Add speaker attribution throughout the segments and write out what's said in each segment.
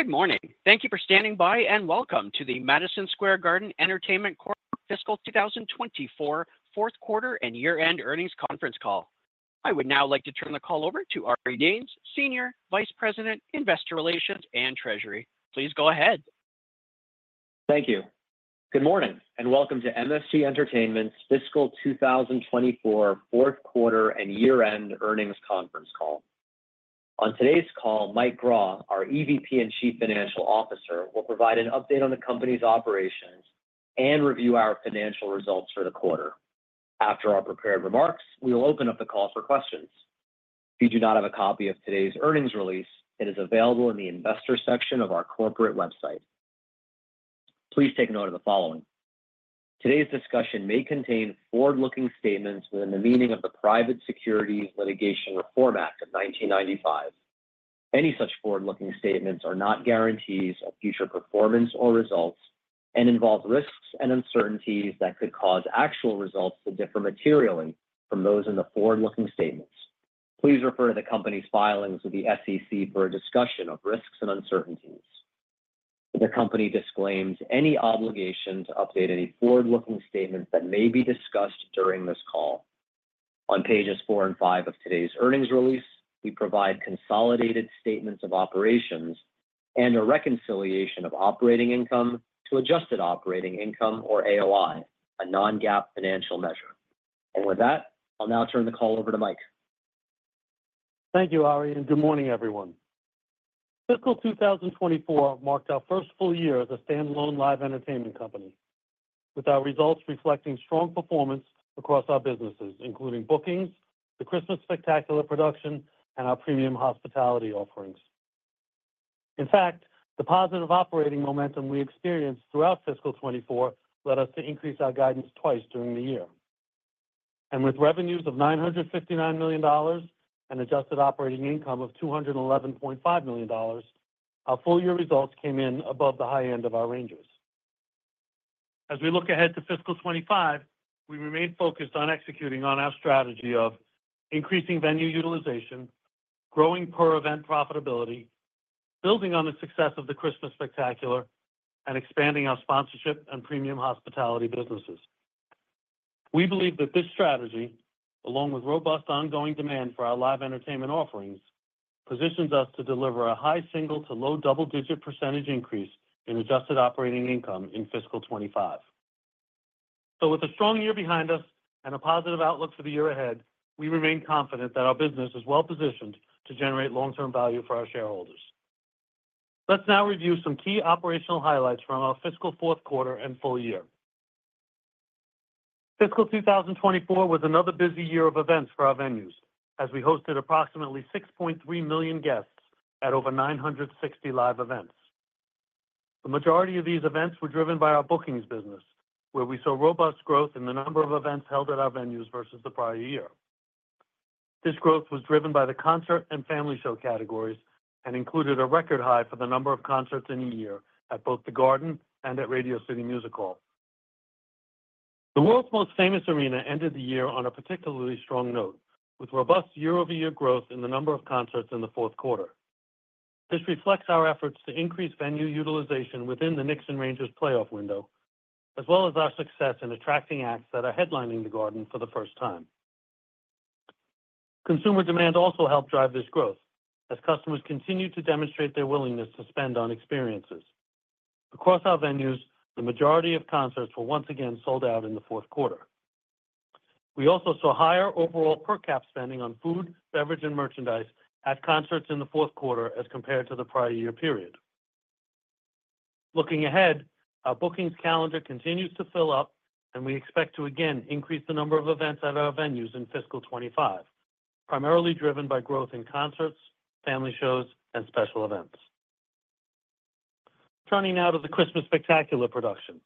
Speaker 1: Good morning! Thank you for standing by, and welcome to the Madison Square Garden Entertainment Corp. Fiscal 2024 fourth quarter and year-end earnings conference call. I would now like to turn the call over to Ari Danes, Senior Vice President, Investor Relations and Treasury. Please go ahead.
Speaker 2: Thank you. Good morning, and welcome to MSG Entertainment's fiscal 2024 fourth quarter and year-end earnings conference call. On today's call, Mike Grau, our EVP and Chief Financial Officer, will provide an update on the company's operations and review our financial results for the quarter. After our prepared remarks, we will open up the call for questions. If you do not have a copy of today's earnings release, it is available in the investor section of our corporate website. Please take note of the following: Today's discussion may contain forward-looking statements within the meaning of the Private Securities Litigation Reform Act of 1995. Any such forward-looking statements are not guarantees of future performance or results and involve risks and uncertainties that could cause actual results to differ materially from those in the forward-looking statements. Please refer to the company's filings with the SEC for a discussion of risks and uncertainties. The company disclaims any obligation to update any forward-looking statements that may be discussed during this call. On pages four and five of today's earnings release, we provide consolidated statements of operations and a reconciliation of operating income to adjusted operating income or AOI, a non-GAAP financial measure. And with that, I'll now turn the call over to Mike.
Speaker 3: Thank you, Ari, and good morning, everyone. Fiscal 2024 marked our first full year as a standalone live entertainment company, with our results reflecting strong performance across our businesses, including bookings, the Christmas Spectacular production, and our premium hospitality offerings. In fact, the positive operating momentum we experienced throughout fiscal 2024 led us to increase our guidance twice during the year. And with revenues of $959 million and adjusted operating income of $211.5 million, our full-year results came in above the high end of our ranges. As we look ahead to fiscal 2025, we remain focused on executing on our strategy of increasing venue utilization, growing per event profitability, building on the success of the Christmas Spectacular, and expanding our sponsorship and premium hospitality businesses.
Speaker 2: We believe that this strategy, along with robust ongoing demand for our live entertainment offerings, positions us to deliver a high single- to low double-digit % increase in adjusted operating income in fiscal 2025. So with a strong year behind us and a positive outlook for the year ahead, we remain confident that our business is well-positioned to generate long-term value for our shareholders. Let's now review some key operational highlights from our fiscal fourth quarter and full year. Fiscal 2024 was another busy year of events for our venues, as we hosted approximately 6.3 million guests at over 960 live events. The majority of these events were driven by our bookings business, where we saw robust growth in the number of events held at our venues versus the prior year. This growth was driven by the concert and family show categories and included a record high for the number of concerts in a year at both The Garden and at Radio City Music Hall. The World's Most Famous Arena ended the year on a particularly strong note, with robust year-over-year growth in the number of concerts in the fourth quarter. This reflects our efforts to increase venue utilization within the Knicks' and Rangers' playoff window, as well as our success in attracting acts that are headlining The Garden for the first time. Consumer demand also helped drive this growth as customers continued to demonstrate their willingness to spend on experiences. Across our venues, the majority of concerts were once again sold out in the fourth quarter. We also saw higher overall per cap spending on food, beverage, and merchandise at concerts in the fourth quarter as compared to the prior year period. Looking ahead, our bookings calendar continues to fill up, and we expect to again increase the number of events at our venues in fiscal 2025, primarily driven by growth in concerts, family shows, and special events. Turning now to the Christmas Spectacular production.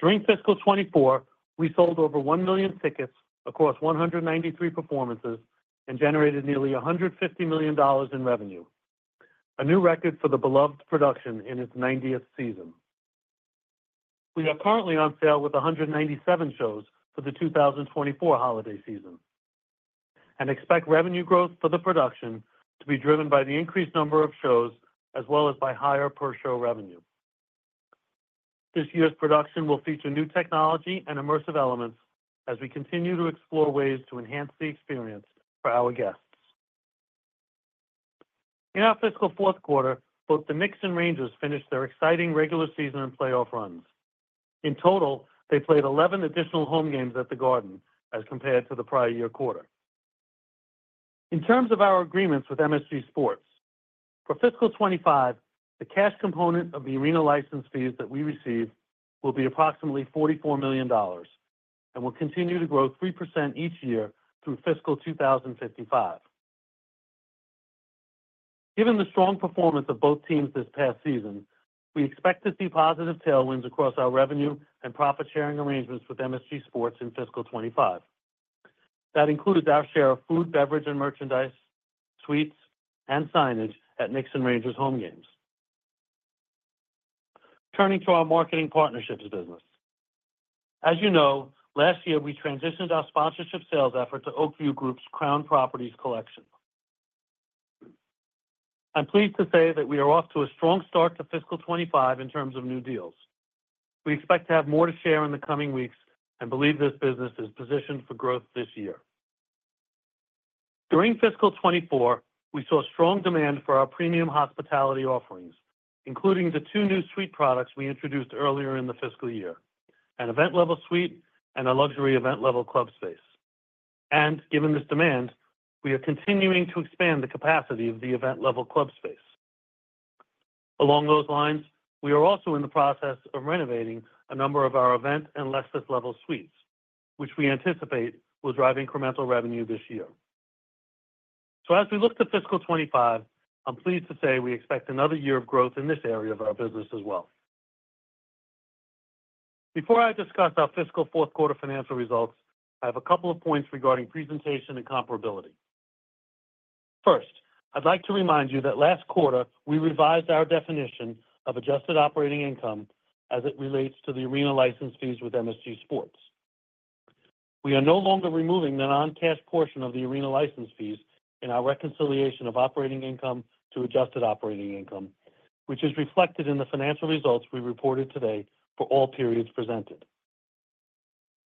Speaker 2: During fiscal 2024, we sold over 1 million tickets across 193 performances and generated nearly $150 million in revenue, a new record for the beloved production in its ninetieth season. We are currently on sale with 197 shows for the 2024 holiday season and expect revenue growth for the production to be driven by the increased number of shows as well as by higher per-show revenue. This year's production will feature new technology and immersive elements as we continue to explore ways to enhance the experience for our guests. In our fiscal fourth quarter, both the Knicks and Rangers finished their exciting regular season and playoff runs. In total, they played 11 additional home games at The Garden as compared to the prior year quarter. In terms of our agreements with MSG Sports, for fiscal 2025, the cash component of the arena license fees that we received will be approximately $44 million and will continue to grow 3% each year through fiscal 2055. Given the strong performance of both teams this past season, we expect to see positive tailwinds across our revenue and profit-sharing arrangements with MSG Sports in fiscal 2025. That includes our share of food, beverage, and merchandise, suites, and signage at Knicks' and Rangers' home games.... Turning to our marketing partnerships business. As you know, last year, we transitioned our sponsorship sales effort to Oak View Group's Crown Properties Collection. I'm pleased to say that we are off to a strong start to fiscal 2025 in terms of new deals. We expect to have more to share in the coming weeks and believe this business is positioned for growth this year. During fiscal 2024, we saw strong demand for our premium hospitality offerings, including the two new suite products we introduced earlier in the fiscal year: an Event Level suite and a luxury Event Level club space, and given this demand, we are continuing to expand the capacity of the Event Level club space. Along those lines, we are also in the process of renovating a number of our Event and Lexus Level suites, which we anticipate will drive incremental revenue this year. As we look to fiscal 2025, I'm pleased to say we expect another year of growth in this area of our business as well. Before I discuss our fiscal fourth quarter financial results, I have a couple of points regarding presentation and comparability. First, I'd like to remind you that last quarter we revised our definition of adjusted operating income as it relates to the arena license fees with MSG Sports. We are no longer removing the non-cash portion of the arena license fees in our reconciliation of operating income to adjusted operating income, which is reflected in the financial results we reported today for all periods presented.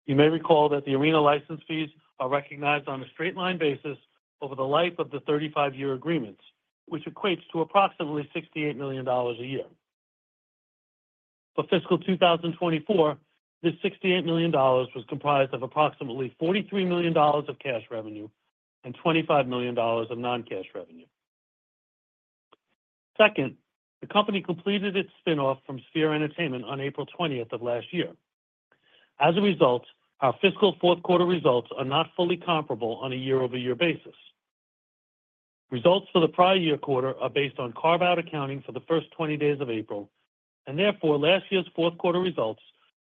Speaker 2: You may recall that the arena license fees are recognized on a straight-line basis over the life of the 35-year agreements, which equates to approximately $68 million a year. For fiscal 2024, this $68 million was comprised of approximately $43 million of cash revenue and $25 million of non-cash revenue. Second, the company completed its spin-off from Sphere Entertainment on April 20th of last year. As a result, our fiscal fourth quarter results are not fully comparable on a year-over-year basis. Results for the prior year quarter are based on carve-out accounting for the first 20 days of April, and therefore, last year's fourth quarter results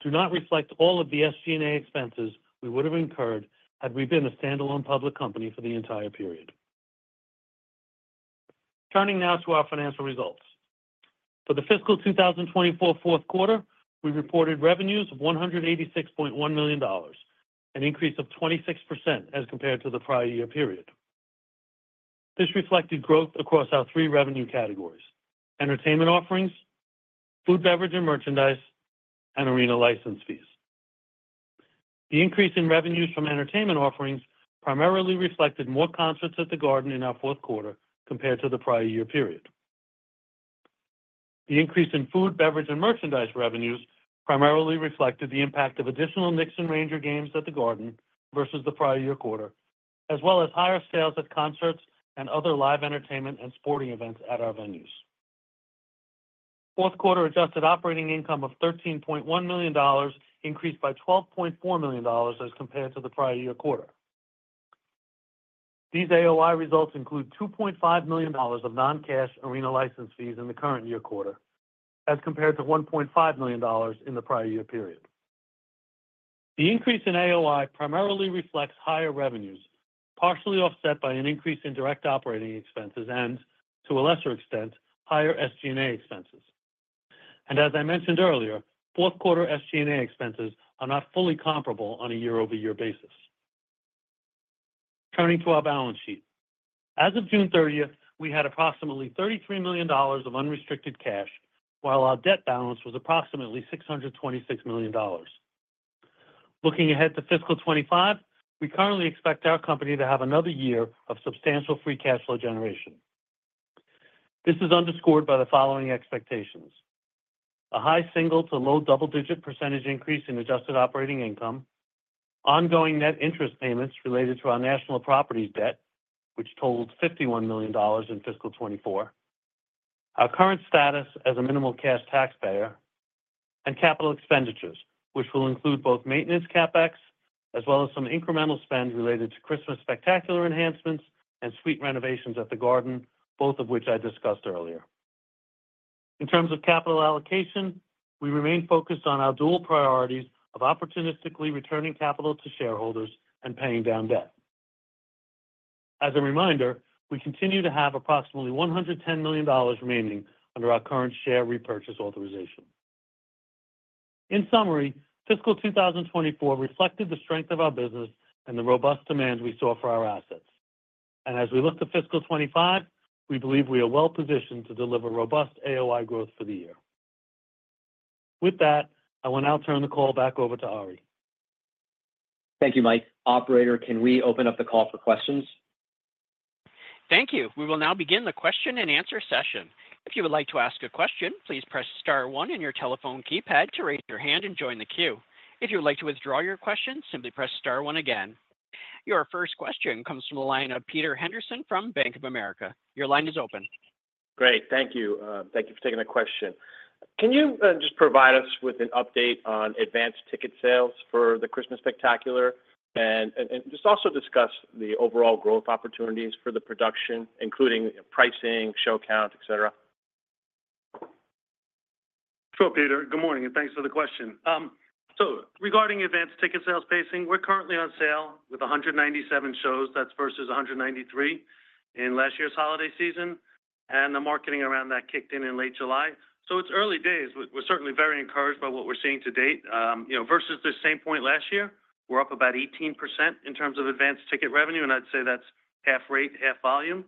Speaker 2: do not reflect all of the SG&A expenses we would have incurred had we been a standalone public company for the entire period. Turning now to our financial results. For the fiscal 2024 fourth quarter, we reported revenues of $186.1 million, an increase of 26% as compared to the prior year period. This reflected growth across our three revenue categories: entertainment offerings, food, beverage, and merchandise, and arena license fees. The increase in revenues from entertainment offerings primarily reflected more concerts at the Garden in our fourth quarter compared to the prior year period. The increase in food, beverage, and merchandise revenues primarily reflected the impact of additional Knicks and Rangers games at the Garden versus the prior year quarter, as well as higher sales at concerts and other live entertainment and sporting events at our venues. Fourth quarter adjusted operating income of $13.1 million increased by $12.4 million as compared to the prior year quarter. These AOI results include $2.5 million of non-cash arena license fees in the current year quarter, as compared to $1.5 million in the prior year period. The increase in AOI primarily reflects higher revenues, partially offset by an increase in direct operating expenses and, to a lesser extent, higher SG&A expenses. And as I mentioned earlier, fourth quarter SG&A expenses are not fully comparable on a year-over-year basis. Turning to our balance sheet. As of June thirtieth, we had approximately $33 million of unrestricted cash, while our debt balance was approximately $626 million. Looking ahead to fiscal 2025, we currently expect our company to have another year of substantial free cash flow generation. This is underscored by the following expectations: A high single- to low double-digit % increase in adjusted operating income, ongoing net interest payments related to our National Properties debt, which totaled $51 million in fiscal 2024. Our current status as a minimal cash taxpayer and capital expenditures, which will include both maintenance CapEx as well as some incremental spend related to Christmas Spectacular enhancements and suite renovations at The Garden, both of which I discussed earlier. In terms of capital allocation, we remain focused on our dual priorities of opportunistically returning capital to shareholders and paying down debt. As a reminder, we continue to have approximately $110 million remaining under our current share repurchase authorization. In summary, fiscal 2024 reflected the strength of our business and the robust demand we saw for our assets, and as we look to fiscal 2025, we believe we are well positioned to deliver robust AOI growth for the year. With that, I will now turn the call back over to Ari. Thank you, Mike. Operator, can we open up the call for questions?
Speaker 1: Thank you. We will now begin the question and answer session. If you would like to ask a question, please press star one in your telephone keypad to raise your hand and join the queue. If you would like to withdraw your question, simply press star one again. Your first question comes from the line of Peter Henderson from Bank of America. Your line is open.
Speaker 4: Great. Thank you. Thank you for taking the question. Can you just provide us with an update on advanced ticket sales for the Christmas Spectacular and just also discuss the overall growth opportunities for the production, including pricing, show count, et cetera?
Speaker 3: Sure, Peter. Good morning, and thanks for the question. ...
Speaker 2: So regarding advanced ticket sales pacing, we're currently on sale with 197 shows. That's versus 193 in last year's holiday season, and the marketing around that kicked in in late July. So it's early days. We're certainly very encouraged by what we're seeing to date. You know, versus the same point last year, we're up about 18% in terms of advanced ticket revenue, and I'd say that's half rate, half volume.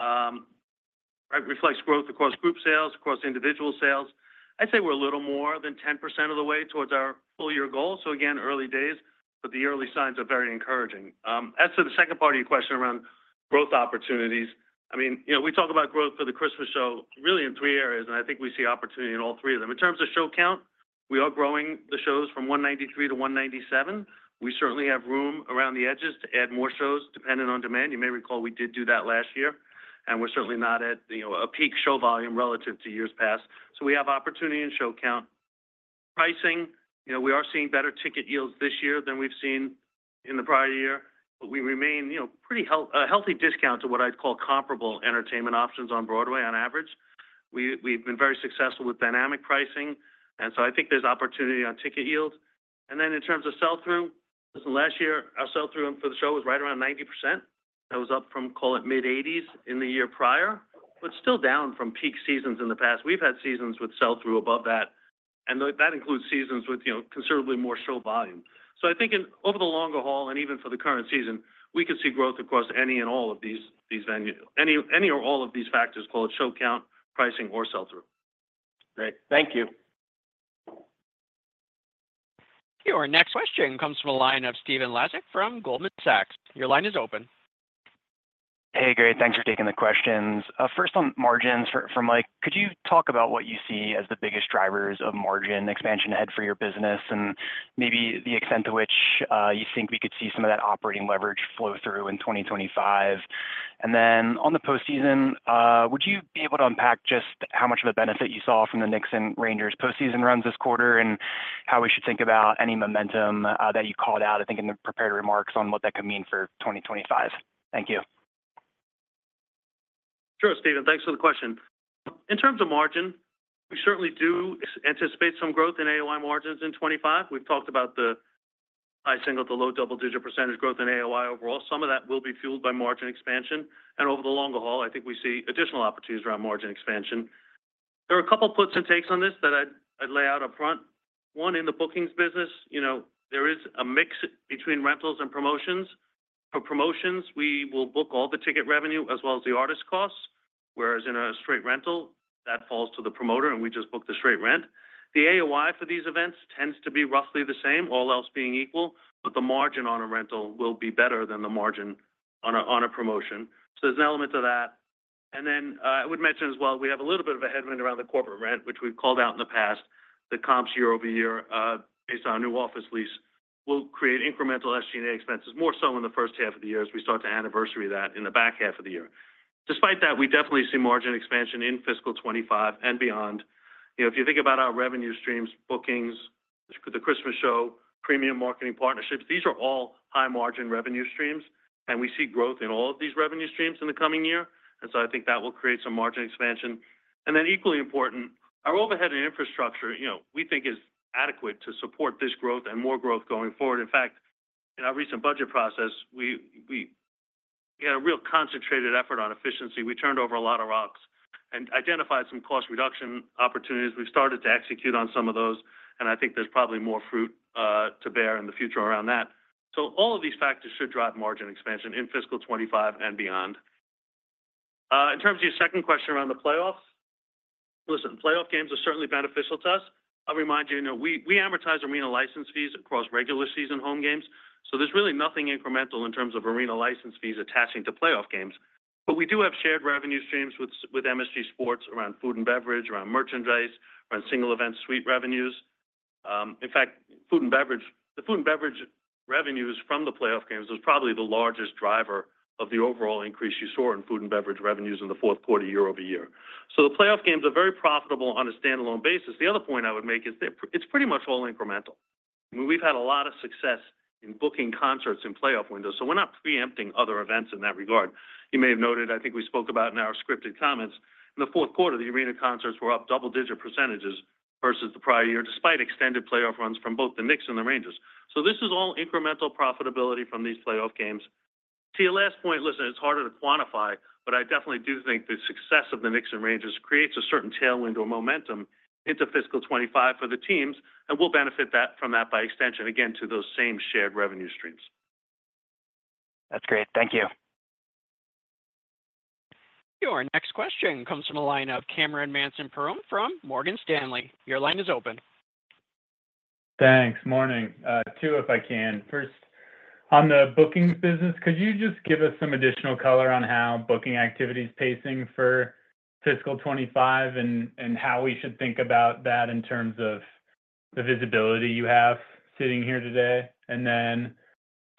Speaker 2: It reflects growth across group sales, across individual sales. I'd say we're a little more than 10% of the way towards our full year goal. So again, early days, but the early signs are very encouraging. As to the second part of your question around growth opportunities, I mean, you know, we talk about growth for the Christmas show really in three areas, and I think we see opportunity in all three of them. In terms of show count, we are growing the shows from 193 to 197. We certainly have room around the edges to add more shows, depending on demand. You may recall we did do that last year, and we're certainly not at, you know, a peak show volume relative to years past. So we have opportunity in show count. Pricing, you know, we are seeing better ticket yields this year than we've seen in the prior year, but we remain, you know, a pretty healthy discount to what I'd call comparable entertainment options on Broadway on average. We've been very successful with dynamic pricing, and so I think there's opportunity on ticket yield. And then in terms of sell-through, listen, last year, our sell-through for the show was right around 90%. That was up from, call it, mid-80s% in the year prior, but still down from peak seasons in the past. We've had seasons with sell-through above that, and that includes seasons with, you know, considerably more show volume. So I think over the longer haul, and even for the current season, we could see growth across any and all of these. Any or all of these factors, call it show count, pricing, or sell-through.
Speaker 4: Great. Thank you.
Speaker 1: Your next question comes from the line of Stephen Laszczyk from Goldman Sachs. Your line is open.
Speaker 5: Hey, great. Thanks for taking the questions. First, on margins, for Mike, could you talk about what you see as the biggest drivers of margin expansion ahead for your business, and maybe the extent to which you think we could see some of that operating leverage flow through in 2025? And then on the postseason, would you be able to unpack just how much of a benefit you saw from the Knicks and Rangers postseason runs this quarter, and how we should think about any momentum that you called out, I think, in the prepared remarks on what that could mean for 2025? Thank you.
Speaker 3: Sure, Stephen, thanks for the question. In terms of margin, we certainly do anticipate some growth in AOI margins in 2025. We've talked about the high single- to low double-digit percentage growth in AOI overall. Some of that will be fueled by margin expansion, and over the longer haul, I think we see additional opportunities around margin expansion. There are a couple puts and takes on this that I'd lay out up front. One, in the bookings business, you know, there is a mix between rentals and promotions. For promotions, we will book all the ticket revenue as well as the artist costs, whereas in a straight rental, that falls to the promoter and we just book the straight rent.
Speaker 2: The AOI for these events tends to be roughly the same, all else being equal, but the margin on a rental will be better than the margin on a promotion. So there's an element to that. And then, I would mention as well, we have a little bit of a headwind around the corporate rent, which we've called out in the past. The comps year over year, based on our new office lease, will create incremental SG&A expenses, more so in the first half of the year as we start to anniversary that in the back half of the year. Despite that, we definitely see margin expansion in fiscal 2025 and beyond. You know, if you think about our revenue streams, bookings, the Christmas show, premium marketing partnerships, these are all high-margin revenue streams, and we see growth in all of these revenue streams in the coming year, and so I think that will create some margin expansion. And then equally important, our overhead and infrastructure, you know, we think is adequate to support this growth and more growth going forward. In fact, in our recent budget process, we had a real concentrated effort on efficiency. We turned over a lot of rocks and identified some cost reduction opportunities. We've started to execute on some of those, and I think there's probably more fruit to bear in the future around that. So all of these factors should drive margin expansion in fiscal 2025 and beyond. In terms of your second question around the playoffs, listen, playoff games are certainly beneficial to us. I'll remind you, you know, we amortize arena license fees across regular season home games, so there's really nothing incremental in terms of arena license fees attaching to playoff games. But we do have shared revenue streams with MSG Sports around food and beverage, around merchandise, around single event suite revenues. In fact, food and beverage revenues from the playoff games was probably the largest driver of the overall increase you saw in food and beverage revenues in the fourth quarter year over year. So the playoff games are very profitable on a standalone basis. The other point I would make is they're pretty much all incremental. I mean, we've had a lot of success in booking concerts in playoff windows, so we're not preempting other events in that regard. You may have noted, I think we spoke about in our scripted comments, in the fourth quarter, the arena concerts were up double-digit percentages versus the prior year, despite extended playoff runs from both the Knicks and the Rangers. So this is all incremental profitability from these playoff games. To your last point, listen, it's harder to quantify, but I definitely do think the success of the Knicks and Rangers creates a certain tailwind or momentum into fiscal 2025 for the teams, and we'll benefit from that by extension, again, to those same shared revenue streams.
Speaker 5: That's great. Thank you.
Speaker 1: Your next question comes from the line of Cameron Mansson-Perrone from Morgan Stanley. Your line is open.
Speaker 6: Thanks. Morning. Two, if I can. First, on the bookings business, could you just give us some additional color on how booking activity is pacing for fiscal 2025, and how we should think about that in terms of the visibility you have sitting here today? And then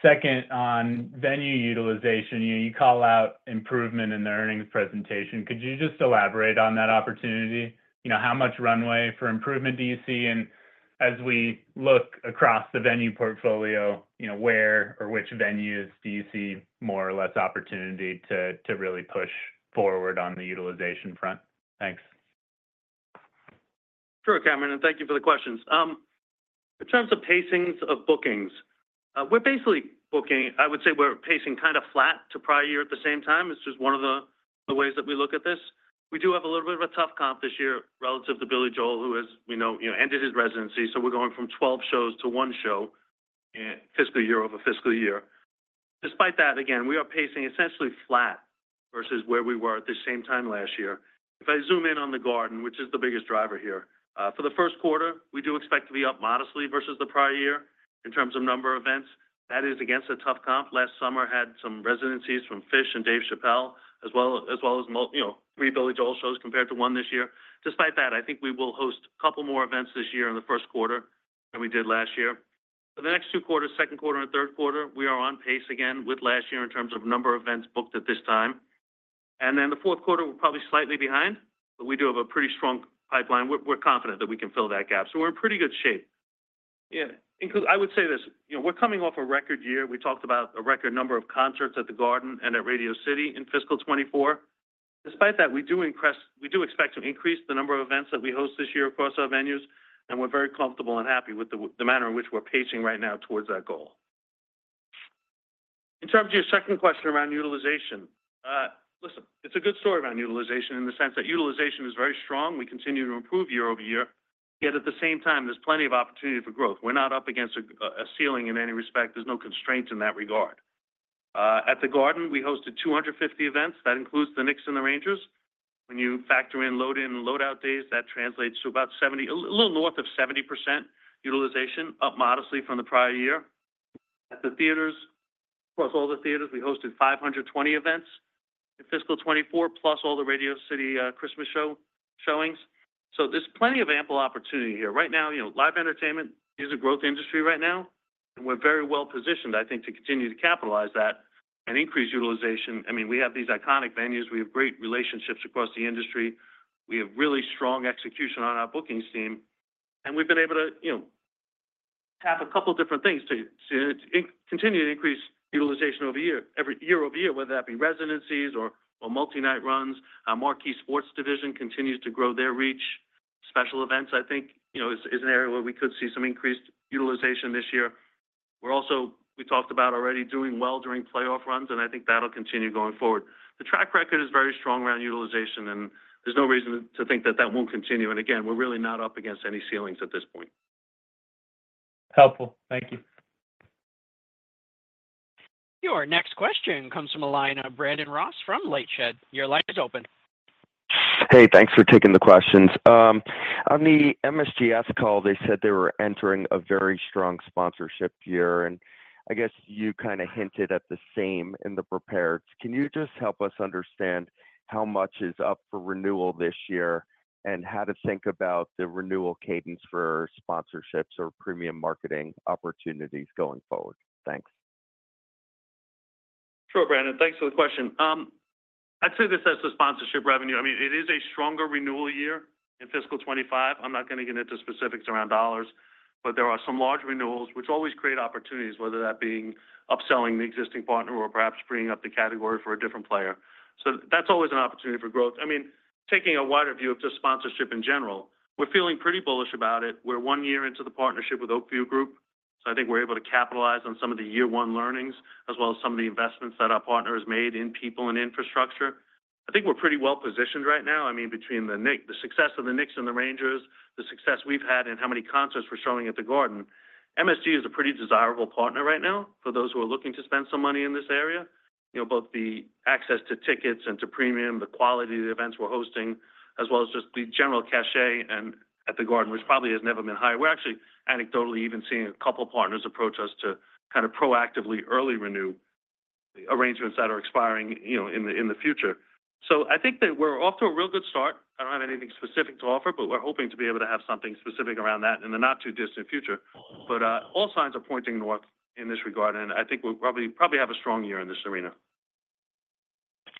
Speaker 6: second, on venue utilization, you know, you call out improvement in the earnings presentation. Could you just elaborate on that opportunity? You know, how much runway for improvement do you see? And as we look across the venue portfolio, you know, where or which venues do you see more or less opportunity to really push forward on the utilization front? Thanks....
Speaker 3: Sure, Cameron, and thank you for the questions. In terms of pacings of bookings, we're basically booking, I would say we're pacing kind of flat to prior year at the same time. It's just one of the ways that we look at this. We do have a little bit of a tough comp this year relative to Billy Joel, who as we know, you know, ended his residency. So we're going from twelve shows to one show in fiscal year over fiscal year. Despite that, again, we are pacing essentially flat versus where we were at the same time last year. If I zoom in on the Garden, which is the biggest driver here, for the first quarter, we do expect to be up modestly versus the prior year in terms of number of events. That is, against a tough comp.
Speaker 2: Last summer had some residencies from Phish and Dave Chappelle, as well as multi- you know, three Billy Joel shows compared to one this year. Despite that, I think we will host a couple more events this year in the first quarter than we did last year. For the next two quarters, second quarter and third quarter, we are on pace again with last year in terms of number of events booked at this time, and then the fourth quarter, we're probably slightly behind, but we do have a pretty strong pipeline. We're confident that we can fill that gap, so we're in pretty good shape. Yeah, because I would say this, you know, we're coming off a record year. We talked about a record number of concerts at the Garden and at Radio City in fiscal 2024. Despite that, we do increase... We do expect to increase the number of events that we host this year across our venues, and we're very comfortable and happy with the manner in which we're pacing right now towards that goal. In terms of your second question around utilization, listen, it's a good story around utilization in the sense that utilization is very strong. We continue to improve year over year, yet at the same time, there's plenty of opportunity for growth. We're not up against a ceiling in any respect. There's no constraints in that regard. At the Garden, we hosted 250 events. That includes the Knicks and the Rangers. When you factor in load in and load out days, that translates to about 70%, a little north of 70% utilization, up modestly from the prior year. At the theaters, plus all the theaters, we hosted 520 events in fiscal 2024, plus all the Radio City Christmas showings, so there's plenty of ample opportunity here. Right now, you know, live entertainment is a growth industry right now, and we're very well positioned, I think, to continue to capitalize that and increase utilization. I mean, we have these iconic venues. We have great relationships across the industry. We have really strong execution on our bookings team, and we've been able to, you know, tap a couple different things to continue to increase utilization year over year, whether that be residencies or multi-night runs. Our marquee sports division continues to grow their reach. Special events, I think, you know, is an area where we could see some increased utilization this year. We're also, we talked about already doing well during playoff runs, and I think that'll continue going forward. The track record is very strong around utilization, and there's no reason to think that that won't continue. And again, we're really not up against any ceilings at this point.
Speaker 6: Helpful. Thank you.
Speaker 1: Your next question comes from the line of Brandon Ross from LightShed. Your line is open.
Speaker 7: Hey, thanks for taking the questions. On the MSGS call, they said they were entering a very strong sponsorship year, and I guess you kinda hinted at the same in the prepared. Can you just help us understand how much is up for renewal this year, and how to think about the renewal cadence for sponsorships or premium marketing opportunities going forward? Thanks.
Speaker 3: Sure, Brandon. Thanks for the question. I'd say this as to sponsorship revenue, I mean, it is a stronger renewal year in fiscal 2025. I'm not going to get into specifics around dollars, but there are some large renewals which always create opportunities, whether that being upselling the existing partner or perhaps bringing up the category for a different player. So that's always an opportunity for growth. I mean, taking a wider view of just sponsorship in general, we're feeling pretty bullish about it. We're one year into the partnership with Oak View Group, so I think we're able to capitalize on some of the year one learnings, as well as some of the investments that our partner has made in people and infrastructure. I think we're pretty well positioned right now.
Speaker 2: I mean, between the Knicks and the Rangers, the success we've had and how many concerts we're showing at the Garden. MSG is a pretty desirable partner right now for those who are looking to spend some money in this area. You know, both the access to tickets and to premium, the quality of the events we're hosting, as well as just the general cachet of the Garden, which probably has never been higher. We're actually anecdotally even seeing a couple partners approach us to kind of proactively early renew the arrangements that are expiring, you know, in the future. So I think that we're off to a real good start. I don't have anything specific to offer, but we're hoping to be able to have something specific around that in the not-too-distant future. But, all signs are pointing north in this regard, and I think we'll probably have a strong year in this arena.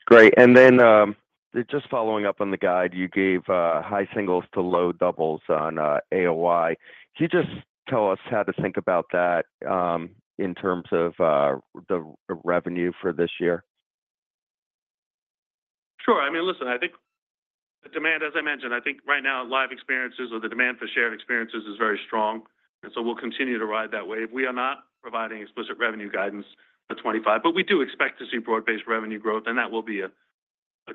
Speaker 7: Great. And then, just following up on the guide you gave, high singles to low doubles on AOI. Can you just tell us how to think about that, in terms of the revenue for this year?
Speaker 3: Sure. I mean, listen, I think the demand, as I mentioned, I think right now, live experiences or the demand for shared experiences is very strong, and so we'll continue to ride that wave. We are not providing explicit revenue guidance for 2025, but we do expect to see broad-based revenue growth, and that will be a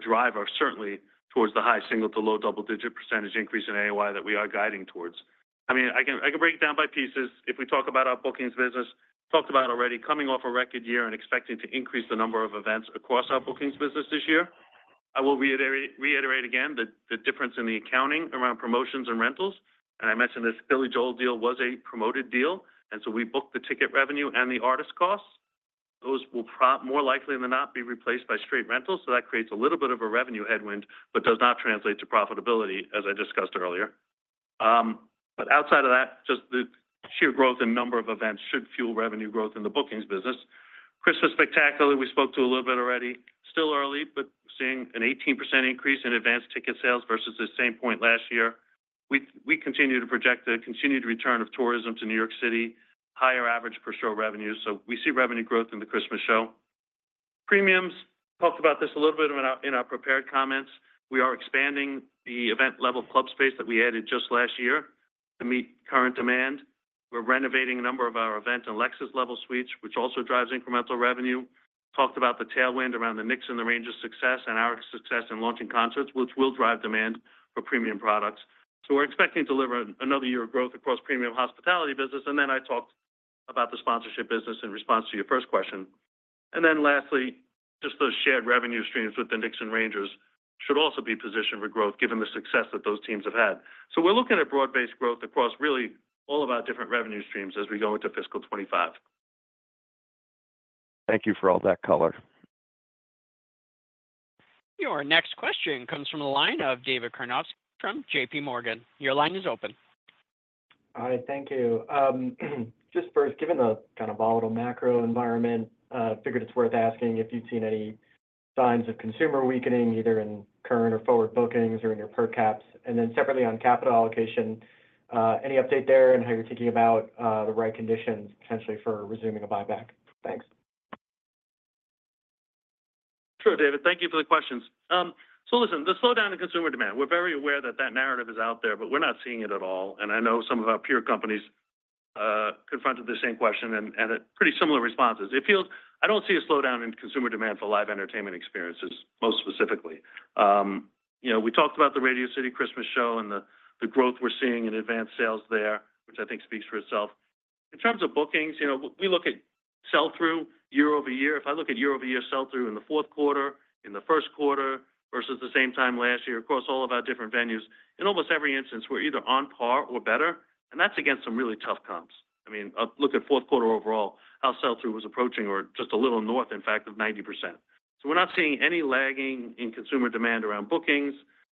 Speaker 3: driver, certainly towards the high single- to low double-digit % increase in AOI that we are guiding towards. I mean, I can break it down by pieces. If we talk about our bookings business, talked about already coming off a record year and expecting to increase the number of events across our bookings business this year. I will reiterate again the difference in the accounting around promotions and rentals.
Speaker 2: I mentioned this Billy Joel deal was a promoted deal, and so we booked the ticket revenue and the artist costs. Those will more likely than not be replaced by straight rentals, so that creates a little bit of a revenue headwind, but does not translate to profitability, as I discussed earlier. But outside of that, just the sheer growth in number of events should fuel revenue growth in the bookings business. Christmas Spectacular, we spoke to a little bit already. Still early, but seeing an 18% increase in advanced ticket sales versus the same point last year. We continue to project a continued return of tourism to New York City, higher average per show revenue, so we see revenue growth in the Christmas show.... Premiums, talked about this a little bit in our prepared comments. We are expanding the event level club space that we added just last year to meet current demand. We're renovating a number of our Event and Lexus Level suites, which also drives incremental revenue. Talked about the tailwind around the Knicks and the Rangers success, and our success in launching concerts, which will drive demand for premium products. So we're expecting to deliver another year of growth across premium hospitality business. And then I talked about the sponsorship business in response to your first question. And then lastly, just those shared revenue streams with the Knicks and Rangers should also be positioned for growth, given the success that those teams have had. So we're looking at broad-based growth across really all of our different revenue streams as we go into fiscal 2025.
Speaker 7: Thank you for all that color.
Speaker 1: Your next question comes from the line of David Karnovsky from J.P. Morgan. Your line is open.
Speaker 8: Hi, thank you. Just first, given the kind of volatile macro environment, figured it's worth asking if you've seen any signs of consumer weakening, either in current or forward bookings or in your per caps. And then separately on capital allocation, any update there and how you're thinking about the right conditions potentially for resuming a buyback? Thanks.
Speaker 3: Sure, David. Thank you for the questions. So listen, the slowdown in consumer demand, we're very aware that that narrative is out there, but we're not seeing it at all. And I know some of our peer companies confronted the same question and a pretty similar responses. I don't see a slowdown in consumer demand for live entertainment experiences, most specifically. You know, we talked about the Radio City Christmas show and the growth we're seeing in advanced sales there, which I think speaks for itself. In terms of bookings, you know, we look at sell-through year over year.
Speaker 2: If I look at year over year sell-through in the fourth quarter, in the first quarter, versus the same time last year, across all of our different venues, in almost every instance, we're either on par or better, and that's against some really tough comps. I mean, look at fourth quarter overall, our sell-through was approaching or just a little north, in fact, of 90%. So we're not seeing any lagging in consumer demand around bookings.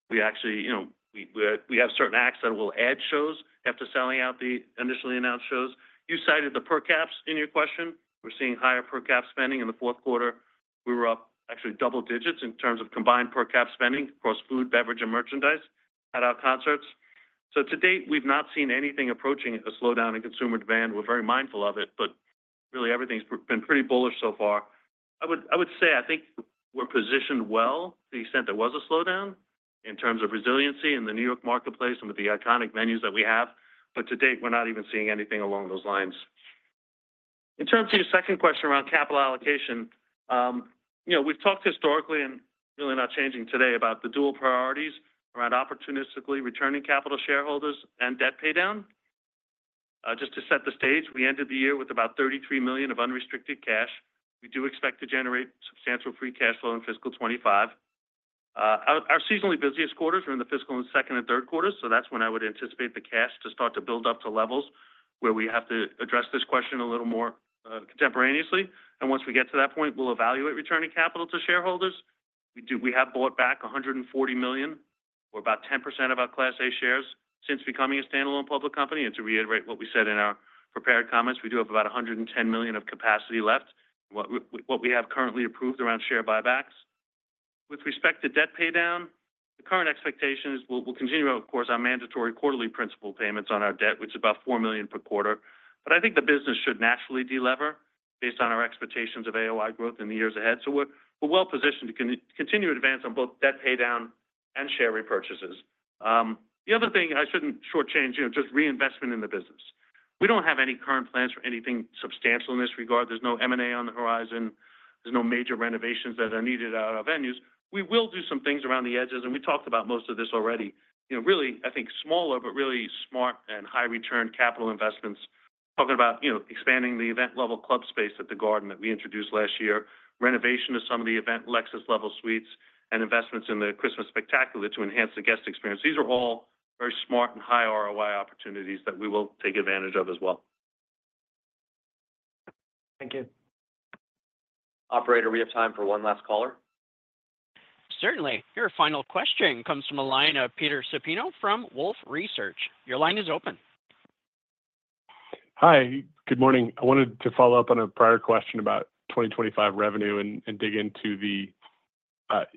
Speaker 2: We actually, you know, we have certain acts that will add shows after selling out the initially announced shows. You cited the per caps in your question. We're seeing higher per cap spending in the fourth quarter. We were up actually double digits in terms of combined per cap spending across food, beverage, and merchandise at our concerts. To date, we've not seen anything approaching a slowdown in consumer demand. We're very mindful of it, but really, everything's been pretty bullish so far. I would say I think we're positioned well to the extent there was a slowdown in terms of resiliency in the New York marketplace and with the iconic venues that we have, but to date, we're not even seeing anything along those lines. In terms of your second question around capital allocation, you know, we've talked historically, and really not changing today, about the dual priorities around opportunistically returning capital to shareholders and debt paydown. Just to set the stage, we ended the year with about $33 million of unrestricted cash. We do expect to generate substantial free cash flow in fiscal 2025. Our seasonally busiest quarters are in the fiscal and second and third quarters, so that's when I would anticipate the cash to start to build up to levels where we have to address this question a little more contemporaneously. And once we get to that point, we'll evaluate returning capital to shareholders. We have bought back $140 million or about 10% of our Class A shares since becoming a standalone public company. And to reiterate what we said in our prepared comments, we do have about $110 million of capacity left, what we have currently approved around share buybacks. With respect to debt paydown, the current expectation is we'll continue, of course, our mandatory quarterly principal payments on our debt, which is about $4 million per quarter. But I think the business should naturally delever based on our expectations of AOI growth in the years ahead. So we're well positioned to continue to advance on both debt paydown and share repurchases. The other thing I shouldn't shortchange, you know, just reinvestment in the business. We don't have any current plans for anything substantial in this regard. There's no M&A on the horizon. There's no major renovations that are needed at our venues. We will do some things around the edges, and we talked about most of this already. You know, really, I think smaller, but really smart and high return capital investments. Talking about, you know, expanding the event level club space at the Garden that we introduced last year, renovation of some of the event, Lexus Level suites, and investments in the Christmas Spectacular to enhance the guest experience. These are all very smart and high ROI opportunities that we will take advantage of as well.
Speaker 8: Thank you.
Speaker 2: Operator, we have time for one last caller.
Speaker 1: Certainly. Your final question comes from a line of Peter Supino from Wolfe Research. Your line is open.
Speaker 9: Hi, good morning. I wanted to follow up on a prior question about 2025 revenue and dig into the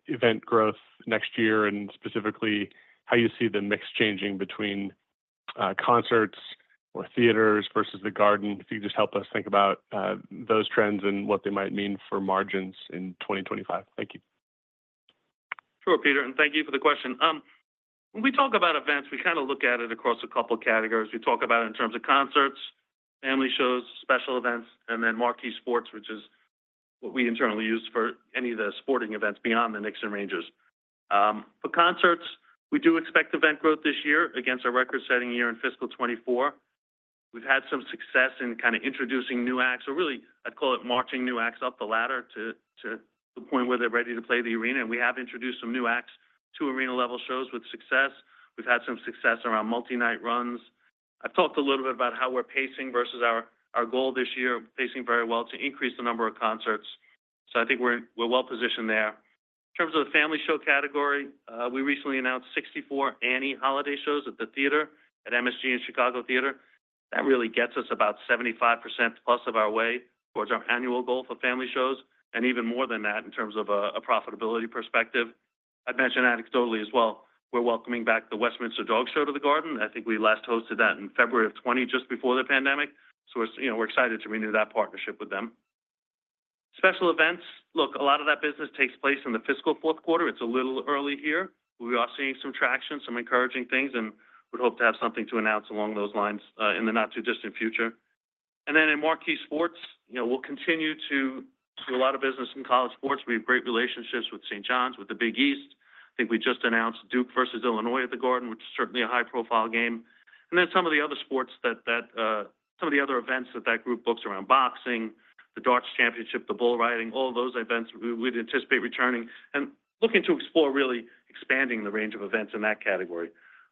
Speaker 9: event growth next year, and specifically how you see the mix changing between concerts or theaters versus The Garden. If you just help us think about those trends and what they might mean for margins in 2025. Thank you.
Speaker 3: Sure, Peter, and thank you for the question. When we talk about events, we kinda look at it across a couple of categories. We talk about it in terms of concerts, family shows, special events, and then marquee sports, which is what we internally use for any of the sporting events beyond the Knicks and Rangers. For concerts, we do expect event growth this year against our record-setting year in fiscal 2024. We've had some success in kinda introducing new acts, or really, I'd call it marching new acts up the ladder to the point where they're ready to play the arena. And we have introduced some new acts to arena-level shows with success. We've had some success around multi-night runs. I've talked a little bit about how we're pacing versus our goal this year, pacing very well to increase the number of concerts.
Speaker 2: So I think we're well positioned there. In terms of the family show category, we recently announced 64 Annie holiday shows at the Theater at MSG and the Chicago Theatre. That really gets us about 75% plus of our way towards our annual goal for family shows, and even more than that, in terms of a profitability perspective. I'd mention anecdotally as well, we're welcoming back the Westminster Dog Show to the Garden. I think we last hosted that in February of 2020, just before the pandemic, so you know, we're excited to renew that partnership with them. Special events. Look, a lot of that business takes place in the fiscal fourth quarter. It's a little early here. We are seeing some traction, some encouraging things, and would hope to have something to announce along those lines, in the not too distant future. Then in marquee sports, you know, we'll continue to do a lot of business in college sports. We have great relationships with St. John's, with the Big East. I think we just announced Duke versus Illinois at The Garden, which is certainly a high-profile game. And then some of the other events that group books around boxing, the darts championship, the bull riding, all those events, we'd anticipate returning and looking to explore, really expanding the range of events in that category.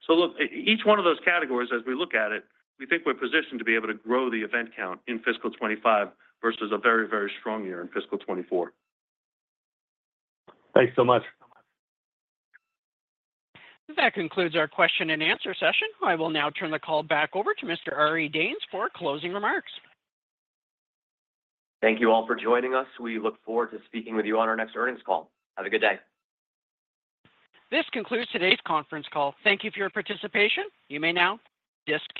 Speaker 2: Look, each one of those categories, as we look at it, we think we're positioned to be able to grow the event count in fiscal 2025 versus a very, very strong year in fiscal 2024.
Speaker 9: Thanks so much.
Speaker 1: That concludes our question and answer session. I will now turn the call back over to Mr. Ari Danes for closing remarks.
Speaker 2: Thank you all for joining us. We look forward to speaking with you on our next earnings call. Have a good day.
Speaker 1: This concludes today's conference call. Thank you for your participation. You may now disconnect.